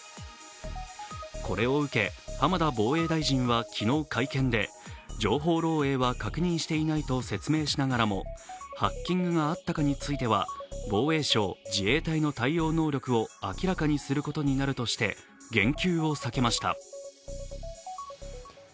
これを受け浜田防衛大臣は昨日会見で、情報漏えいは確認していないと説明しながらもハッキングがあったかについては防衛省自衛隊の対応能力を明らかにすることになるとして言及を避けました。